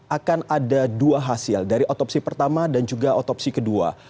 akan ada dua hasil dari otopsi pertama dan juga otopsi kedua